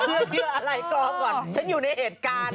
เชื่ออะไรกองก่อนฉันอยู่ในเหตุการณ์